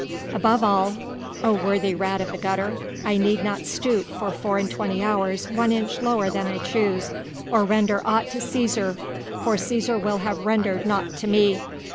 Above all, O worthy rat of the gutter, I need not stoop for four and twenty hours one inch lower than I choose, or render aught to Cæsar for Cæsar will have rendered naught to me.